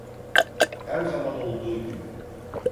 Her zaman olduğu gibi.